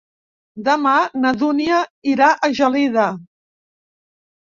Demà na Dúnia irà a Gelida.